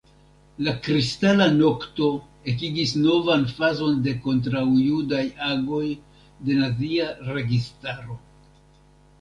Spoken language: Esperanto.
La Kristala nokto ekigis novan fazon de kontraŭjudaj agoj de nazia registaro.